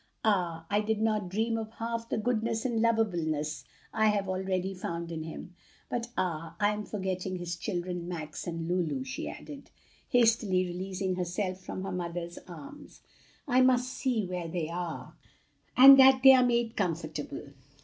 Ah, I did not dream of half the goodness and lovableness I have already found in him. But ah, I am forgetting his children, Max and Lulu!" she added, hastily releasing herself from her mother's arms. "I must see where they are and that they are made comfortable."